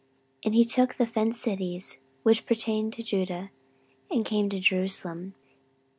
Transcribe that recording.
14:012:004 And he took the fenced cities which pertained to Judah, and came to Jerusalem.